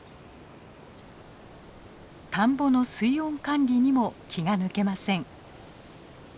田んぼの水温管理にも気が抜けません。